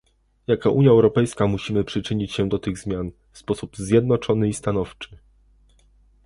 jako Unia Europejska musimy przyczynić się do tych zmian, w sposób zjednoczony i stanowczy